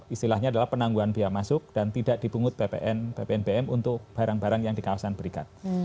istilahnya adalah penangguhan biaya masuk dan tidak dipungut ppnbm untuk barang barang yang di kawasan berikat